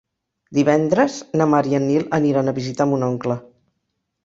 Divendres na Mar i en Nil aniran a visitar mon oncle.